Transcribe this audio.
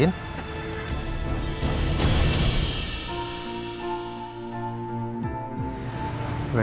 tunggu aku mau kembali